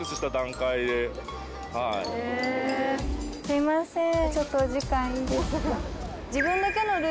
すいません。